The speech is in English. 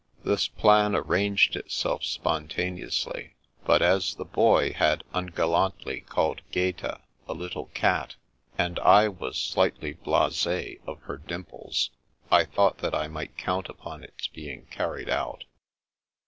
This plan arranged itself spontaneously; but as the Boy had ungallantly called Gaeta " a little cat," and I was slightly blasS of her dimples, I thought that I might count upon its being carried out.